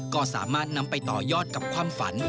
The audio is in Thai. ก็สามารถนำไปต่อยอดกับความฝัน